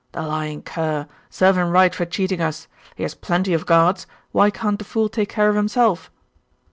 'The lying cur! Serve him right for cheating us. He has plenty of guards. Why can't the fool take care of himself?